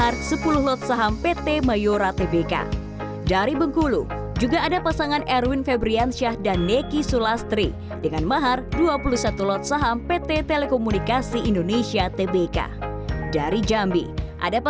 pemilihan saham sebagai mahar pernikahan memang memiliki banyak kelebihan